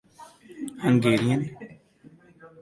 Hungarian